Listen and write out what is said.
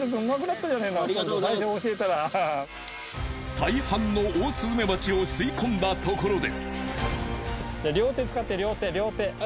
大半のオオスズメバチを吸い込んだところで。